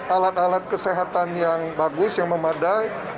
alat alat kesehatan yang bagus yang memadai